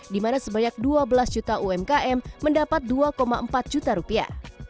di mana sebanyak dua belas juta umkm mendapat dua empat juta rupiah